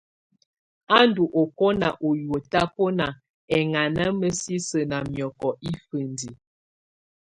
Á ndù ɔkɔna ú hiwǝ́ tabɔnà ɛŋana mǝsisǝ na miɔkɔ ifǝndiǝ.